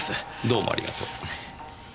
どうもありがとう。